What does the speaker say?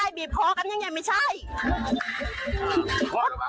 จ้ะหนูรักไม่ได้จริงจ้ะหนูรักไม่ได้จริงจ้ะ